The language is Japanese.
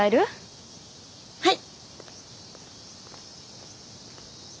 はい！